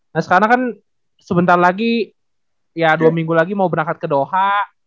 nah sekarang kan sebentar lagi ya dua minggu lagi mau berangkat ke doha